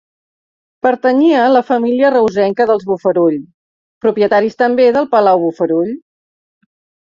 Pertanyia a la família reusenca dels Bofarull, propietaris també del palau Bofarull.